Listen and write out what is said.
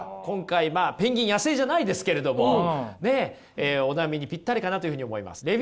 今回ペンギン野生じゃないですけれどもお悩みにぴったりかなというふう思います。